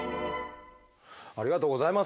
ありがとうございます。